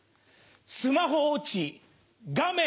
スマホ落ち画面